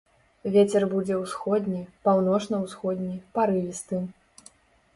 Вецер будзе ўсходні, паўночна-ўсходні, парывісты.